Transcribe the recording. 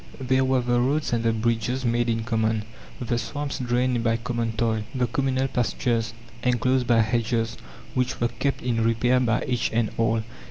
There were the roads and the bridges made in common, the swamps drained by common toil, the communal pastures enclosed by hedges which were kept in repair by each and all.